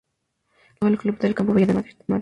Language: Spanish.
Lo organiza el Club de Campo Villa de Madrid.